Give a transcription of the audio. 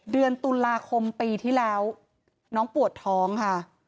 เดือนตุลาคมปีที่แล้วน้องปวดท้องค่ะ